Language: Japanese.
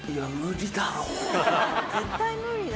絶対無理だ。